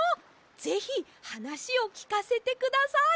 ぜひはなしをきかせてください！